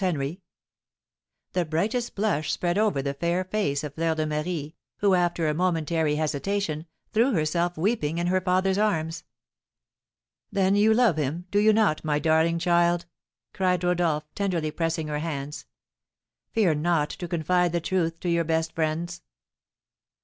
The brightest blush spread over the fair face of Fleur de Marie, who, after a momentary hesitation, threw herself weeping in her father's arms. "Then you love him, do you not, my darling child?" cried Rodolph, tenderly pressing her hands. "Fear not to confide the truth to your best friends."